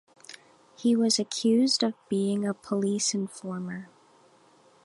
He was accused of being a police informer.